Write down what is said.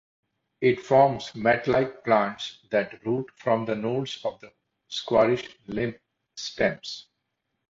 It forms matlike plants that root from the nodes of the squarish, limp stems.